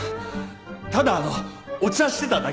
ただあのお茶してただけだよ。